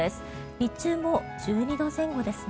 日中も１２度前後ですね